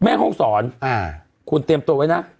แม่ห้องศรคุณเตรียมตัวไว้นะ